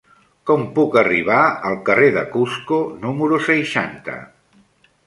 Com puc arribar al carrer de Cusco número seixanta?